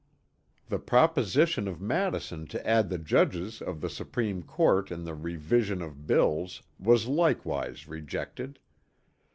The proposition of Madison to add the judges of the Supreme Court in the 'revision' of bills was likewise rejected.